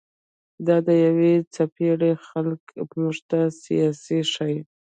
دا د يوې څپېړي خلق موږ ته سياست ښيي